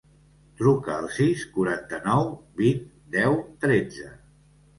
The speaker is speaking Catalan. Truca al sis, quaranta-nou, vint, deu, tretze.